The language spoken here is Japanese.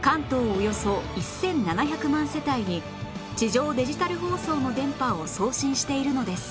およそ１７００万世帯に地上デジタル放送の電波を送信しているのです